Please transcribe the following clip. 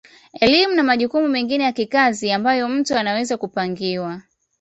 Elimu na majukumu mengine ya kikazi ambayo mtu anaweza kupangiwa